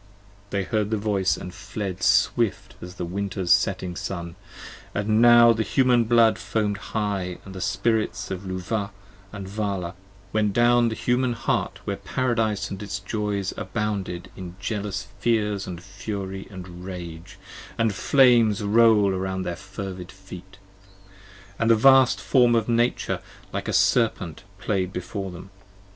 They heard the voice and fled swift as the winter's setting sun. And now the human blood foam'd high, the Spirits Luvah & Vala Went down the Human Heart where Paradise & its joys abounded, 75 In jealous fears & fury & rage, & flames roll round their fervid feet: And the vast form of Nature like a serpent play'd before them.